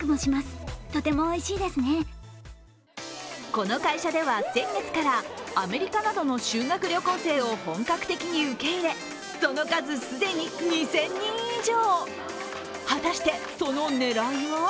この会社では先月からアメリカなどの修学旅行生を本格的に受け入れ、その数、既に２０００人以上。